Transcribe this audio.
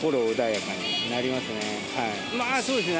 まぁそうですね